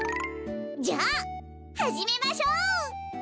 じゃあはじめましょう！